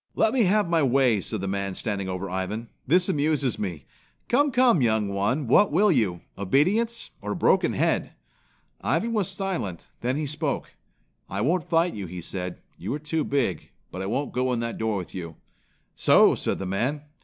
"Let me have my way," said the man standing over Ivan. "This amuses me. Come, come, young one, what will you obedience or a broken head?" Ivan was silent, then he spoke. "I won't fight," he said. "You are too big, but I won't go in that door with you." "So!" said the man.